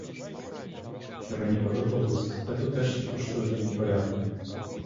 Що мені подобалося, це тутешні поштові порядки.